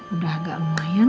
udah agak lumayan